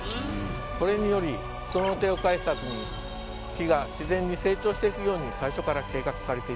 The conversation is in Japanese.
これにより人の手を介さずに木が自然に成長していくように最初から計画されていたんです。